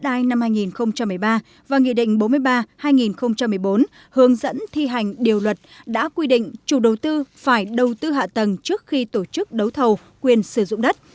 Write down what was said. đài năm hai nghìn một mươi ba và nghị định bốn mươi ba hai nghìn một mươi bốn hướng dẫn thi hành điều luật đã quy định chủ đầu tư phải đầu tư hạ tầng trước khi tổ chức đấu thầu quyền sử dụng đất